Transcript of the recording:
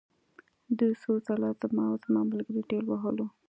دوی څو ځله زه او زما ملګري ټېل وهلو